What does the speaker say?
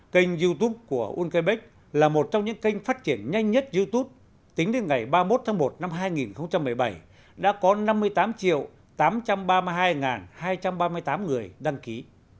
kênh youtube của ullec là một trong những kênh phát triển nhanh nhất youtube tính đến ngày ba mươi một tháng một năm hai nghìn một mươi bảy đã có năm mươi tám triệu tám trăm ba mươi hai hai trăm ba mươi tám người đăng ký